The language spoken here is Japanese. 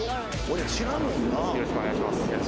よろしくお願いします。